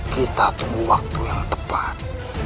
kita tunggu waktu yang tepat